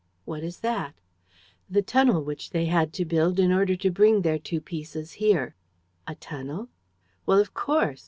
"What is that?" "The tunnel which they had to build in order to bring their two pieces here." "A tunnel?" "Well, of course!